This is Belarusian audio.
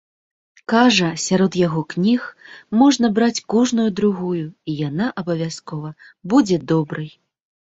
Кажа, сярод яго кніг можна браць кожную другую, і яна абавязкова будзе добрай.